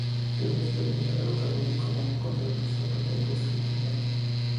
Es una especie localmente común, encontrada principalmente en bosques primarios.